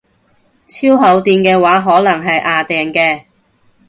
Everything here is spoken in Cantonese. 超厚墊嘅話可能係掗掟嘅